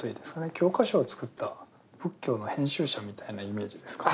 教科書を作った仏教の編集者みたいなイメージですかね。